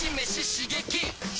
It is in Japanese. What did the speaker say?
刺激！